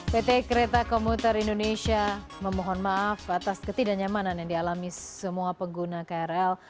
pt kereta komuter indonesia memohon maaf atas ketidaknyamanan yang dialami semua pengguna krl